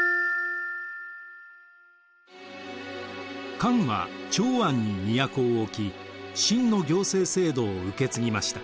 漢は長安に都を置き秦の行政制度を受け継ぎました。